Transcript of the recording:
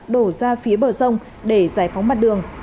đổ ra phía bờ sông để giải phóng mặt đường